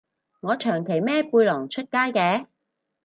我長期孭背囊出街嘅